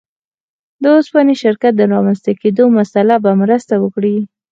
د اوسپنې شرکت د رامنځته کېدو مسأله به مرسته وکړي.